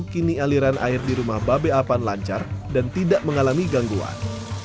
kini aliran air di rumah babe avan lancar dan tidak mengalami gangguan